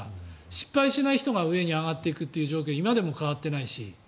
失敗しない人が上に上がっていくという状況が今でも変わっていないし。